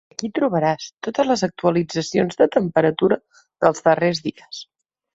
Aquí trobaràs totes les actualitzacions de temperatura dels darrers dies.